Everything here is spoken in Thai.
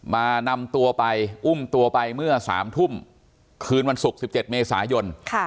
มานำตัวไปอุ้มตัวไปเมื่อ๓ทุ่มคืนวันศุกร์๑๗เมษายน